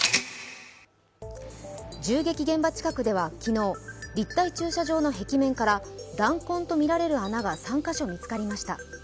銃撃現場近くでは昨日立体駐車場の壁面から弾痕とみられる穴が３カ所見つかりました。